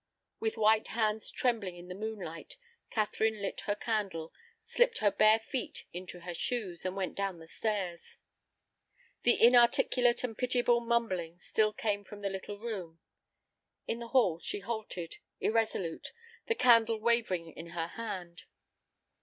With white hands trembling in the moonlight, Catherine lit her candle, slipped her bare feet into her shoes, and went down the stairs. The inarticulate and pitiable mumbling still came from the little room. In the hall she halted, irresolute, the candle wavering in her hand.